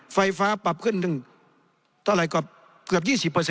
ไฟฟ้าปรับขึ้นหนึ่งเท่าไหร่ก็เกือบ๒๐